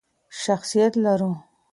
شخصیت لرو.